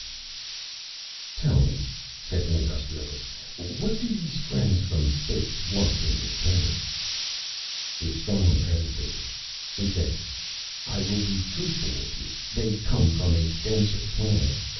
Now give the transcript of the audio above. "Tell me," said the Industrialist, "what do these friends from space want in return?" The Astronomer hesitated. He said, "I will be truthful with you. They come from a denser planet.